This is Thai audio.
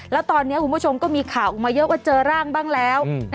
แล้วตอนนี้คุณผู้ชมก็มีข่าวออกมาเยอะว่าเจอร่างบ้างแล้ว